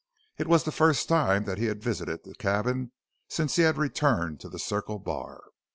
It was the first time that he had visited the cabin since he had returned to the Circle Bar.